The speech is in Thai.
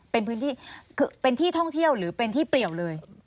เป็นพื้นที่เป็นที่ท่องเที่ยวหรือเป็นที่เปลี่ยวเลย